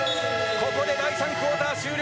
ここで第３クオーター終了。